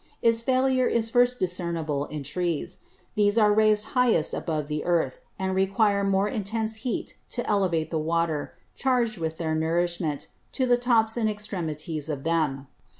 Its Failure is first discernible in Trees. These are raised highest above the Earth; and require a more intense Heat to elevate the Water, charged with their Nourishment, to the Tops and Extremities of them.